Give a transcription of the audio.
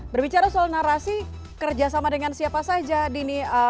berbicara soal narasi kerjasama dengan siapa saja dini